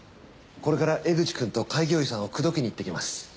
これから江口くんと開業医さんを口説きに行ってきます。